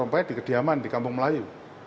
sampai di kediaman di kampung melayu